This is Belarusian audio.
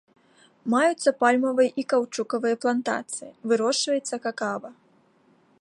Маюцца пальмавыя і каўчукавыя плантацыі, вырошчваецца какава.